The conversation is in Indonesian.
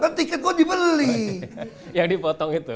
kan tiket gue dibeli yang dipotong itu